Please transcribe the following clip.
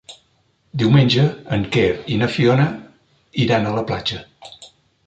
Diumenge en Quer i na Fiona iran a la platja.